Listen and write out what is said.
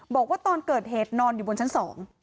บอกว่าตอนเกิดเหตุนอนอยู่บนชั้น๒